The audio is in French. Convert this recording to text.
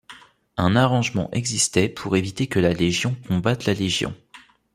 Un arrangement existait pour éviter que la Légion combatte la Légion.